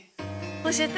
教えて？